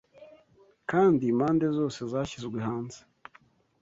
Kandi impande zose zashyizwe hanze